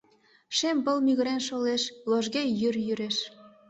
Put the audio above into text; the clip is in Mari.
Шем пыл мӱгырен шолеш, ложге йӱр йӱреш.